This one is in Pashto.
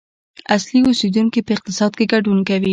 اصلي اوسیدونکي په اقتصاد کې ګډون کوي.